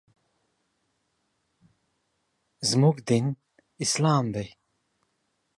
موږ دین اسلام دی .